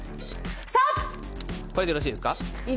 いいです。